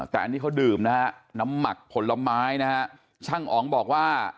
แต่อันนี้เขาดื่มนะฮะน้ำหมักผลไม้นะฮะช่างอ๋องบอกว่า